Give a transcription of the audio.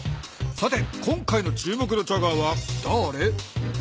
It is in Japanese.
さて今回の注目のチャガーはだーれ？